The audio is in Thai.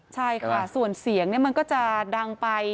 ใช่ค่ะส่วนเสียงมันก็จะดังไป